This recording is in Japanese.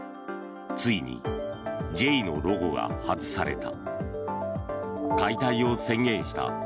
ついにＪのロゴが外された。